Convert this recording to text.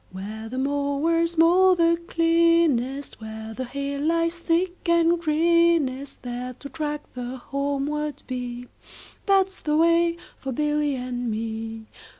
Where the mowers mow the cleanest, Where the hay lies thick and greenest, 10 There to track the homeward bee, That 's the way for Billy and me.